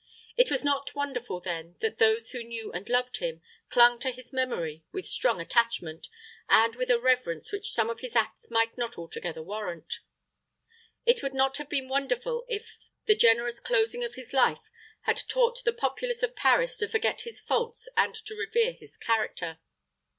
It was not wonderful, then, that those who knew and loved him clung to his memory with strong attachment, and with a reverence which some of his acts might not altogether warrant. It would not have been wonderful if the generous closing of his life had taught the populace of Paris to forget his faults and to revere his character.